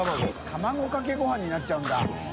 卵かけご飯になっちゃうんだ。